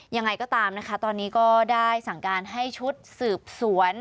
ยังไงก็ตามนะคะตอนนี้ก็ได้สั่งการให้ชุดสืบสวน